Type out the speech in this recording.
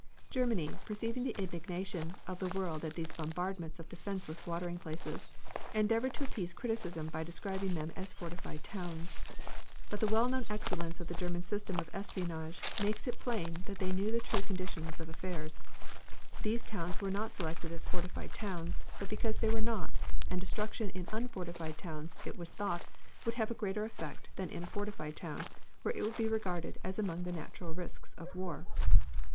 Germany, perceiving the indignation of the world at these bombardments of defenseless watering places, endeavored to appease criticism by describing them as fortified towns. But the well known excellence of the German system of espionage makes it plain that they knew the true condition of affairs. These towns were not selected as fortified towns, but because they were not, and destruction in unfortified towns it was thought would have a greater effect than in a fortified town where it would be regarded as among the natural risks of war.